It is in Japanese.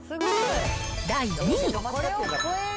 第２位。